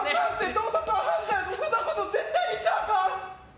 盗撮は犯罪そんなことしちゃあかん！